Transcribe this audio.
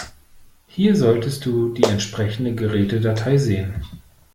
Hier solltest du die entsprechende Gerätedatei sehen.